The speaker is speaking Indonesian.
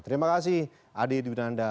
terima kasih adi dan anda